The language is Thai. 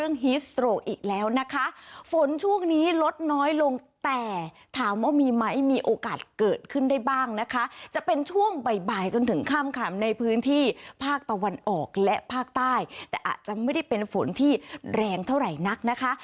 ฮีสโตรกอีกแล้วนะคะฝนช่วงนี้ลดน้อยลงแต่ถามว่ามีไหมมีโอกาสเกิดขึ้นได้บ้างนะคะจะเป็นช่วงบ่ายบ่ายจนถึงค่ำค่ะในพื้นที่ภาคตะวันออกและภาคใต้แต่อาจจะไม่ได้เป็นฝนที่แรงเท่าไหร่นักนะคะ